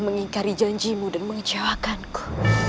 mengingkari janjimu dan mengecewakanku